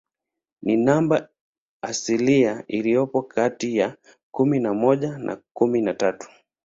Ni namba asilia iliyopo kati ya kumi na moja na kumi na tatu.